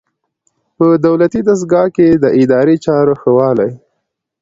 په دولتي دستګاه کې د اداري چارو ښه والی.